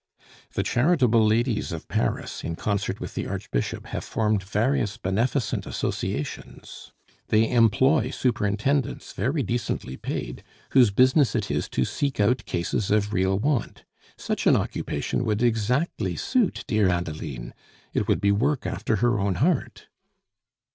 "The charitable ladies of Paris, in concert with the Archbishop, have formed various beneficent associations; they employ superintendents, very decently paid, whose business it is to seek out cases of real want. Such an occupation would exactly suit dear Adeline; it would be work after her own heart."